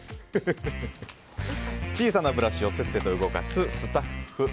小さなブラシをせっせと動かすスタッフ。